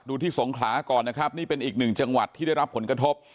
ที่สงขลาก่อนนะครับนี่เป็นอีกหนึ่งจังหวัดที่ได้รับผลกระทบ